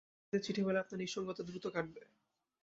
নাকি সুন্দরী মেয়েদের চিঠি পেলে আপনার নিঃসঙ্গতা দ্রুত কাটবে?